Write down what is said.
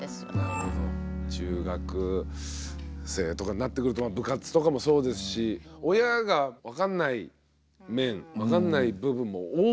中学生とかになってくると部活とかもそうですし親が分かんない面分かんない部分も多くなってきますよねどんどん。